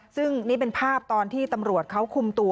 ซึ่งนี่เป็นภาพตอนที่ตำรวจเขาคุมตัว